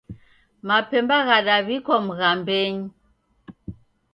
Mapemba ghadaw'ikwa mghambenyi